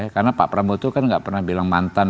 karena pak prabowo itu kan enggak pernah bilang mantan